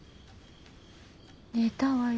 寝たわよ。